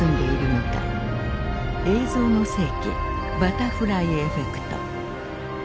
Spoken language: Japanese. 「映像の世紀バタフライエフェクト」。